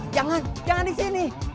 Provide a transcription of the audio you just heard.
jangan jangan di sini